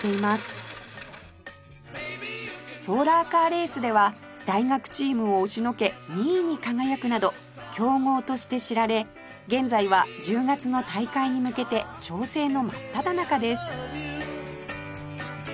ソーラーカーレースでは大学チームを押しのけ２位に輝くなど強豪として知られ現在は１０月の大会に向けて調整の真っただ中です